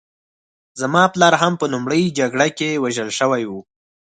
زما پلار هم په لومړۍ جګړه کې وژل شوی و